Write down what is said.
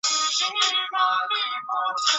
伞花獐牙菜为龙胆科獐牙菜属下的一个变种。